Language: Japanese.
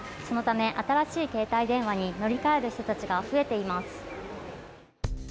そのため新しい携帯電話に乗り換える人たちが増えています。